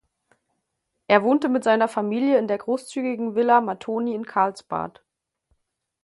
Er wohnte mit seiner Familie in der großzügigen Villa Mattoni in Karlsbad.